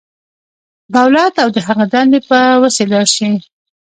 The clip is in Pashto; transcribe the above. دولت او د هغه دندې به وڅېړل شي.